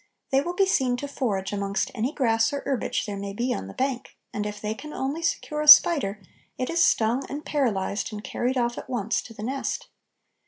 They will be seen to forage amongst any grass or herbage there may be on the bank, and if they can only secure a spider it is stung and paralyzed and carried off at once to the nest.